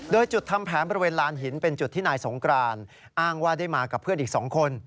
โดยจุดทำแผนบริเวณลานหินเป็นจุดที่นายสงกรานอ้างว่าได้มากับเพื่อนอีก๒คน